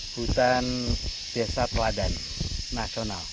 hutan desa padan nasional